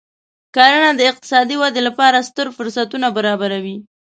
کرنه د اقتصادي ودې لپاره ستر فرصتونه برابروي.